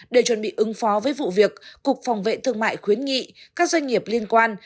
để chuẩn bị ứng phó với vụ việc cục phòng vệ thương mại khuyến nghị các doanh nghiệp liên quan